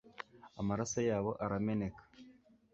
amaraso yabo arameneka